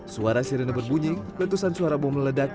suara sirine berbunyi letusan suara bom meledak